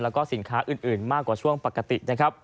แล้วก็สินค้าอื่นมากกว่าช่วงปกตินะครับ